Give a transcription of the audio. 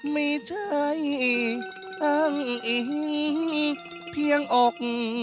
ไม่ใช่อ้างอิงเพียงอก